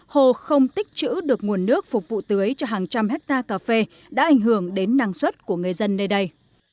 hồ không tích chữ được nguồn nước phục vụ tưới cho hàng trăm hectare cà phê đã ảnh hưởng đến năng suất của người dân nơi đây